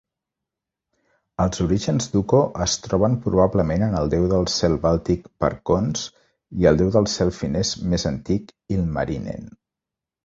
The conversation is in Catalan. Els orígens d'Ukko es troben probablement en el déu del cel bàltic Perkons i el déu del cel finès més antic Ilmarinen.